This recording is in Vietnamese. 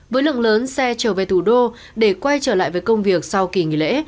với lượng lớn xe trở về thủ đô để quay trở lại với công việc sau kỳ nghỉ lễ